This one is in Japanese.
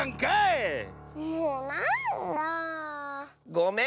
ごめん！